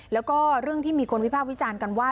แล้วก็เรื่องที่มีคนวิพากษ์วิจารณ์กันว่า